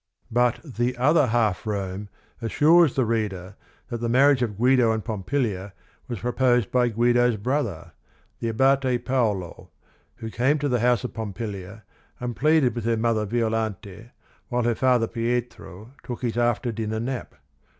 But The Other Half Rome assures the reader that the marriage of Guido and Pompilia was proposed by ljuido's brother ; the Abate faolo, who~ca me to the home of .Fompilia and pleaded witETier mo ther Violante, w hile her father Pietro, tookiiis~aTter dinner nap.